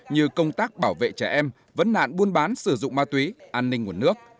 như công tác bảo vệ trẻ em vấn nạn buôn bán sử dụng ma túy an ninh nguồn nước